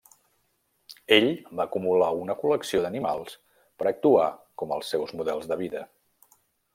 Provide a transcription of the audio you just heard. Ell va acumular una col·lecció d'animals per actuar com els seus models de vida.